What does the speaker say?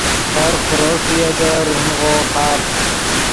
ہورغ پرو ݰوئے اےگے رونغو خاڤد